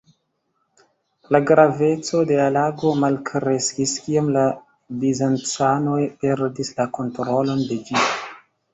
La graveco de la lago malkreskis, kiam la bizancanoj perdis la kontrolon de ĝi.